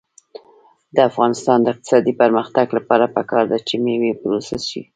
د افغانستان د اقتصادي پرمختګ لپاره پکار ده چې مېوې پروسس شي.